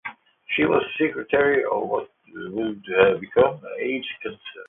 She was the secretary of what would become Age Concern.